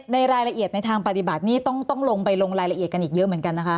ในรายละเอียดในทางปฏิบัตินี่ต้องลงไปลงรายละเอียดกันอีกเยอะเหมือนกันนะคะ